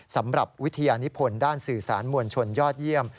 สำหรับวิทยานิพลด้านสื่อสารมวลชนยอดเยี่ยม